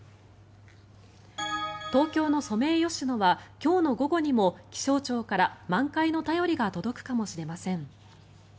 東京のソメイヨシノは今日の午後にも気象庁から満開の便りが届くかもしれません。